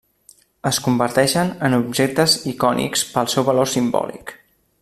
Es converteixen en objectes icònics pel seu valor simbòlic.